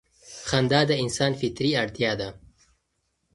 خندا د انسان فطري اړتیا ده.